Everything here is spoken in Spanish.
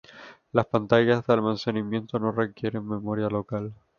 Las pantallas de almacenamiento no requieren memoria local.